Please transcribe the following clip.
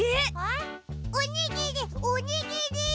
ん？おにぎりおにぎり！